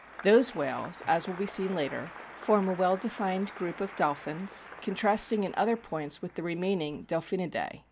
Those whales, as will be seen later, form a well defined group of dolphins contrasting in other points with the remaining Delphinidae.